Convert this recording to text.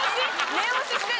念押ししてる？